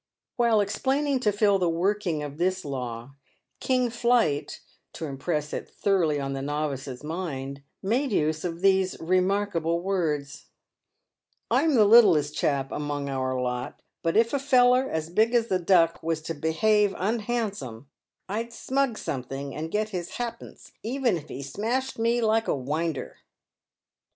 AVhile explaining to Phil the working of this law, King Plight, to impress it thoroughly on the novice's mind, made use of these remarkable words :" I'm the littlest chap among our lot, but if a feller as big as the Duck was to behave unhandsome, I'd smug something, and get his ha'pence, even if he smashed me like a winder."